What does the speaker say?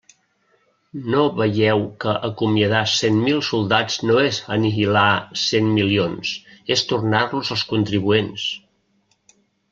No veieu que acomiadar cent mil soldats no és anihilar cent milions, és tornar-los als contribuents.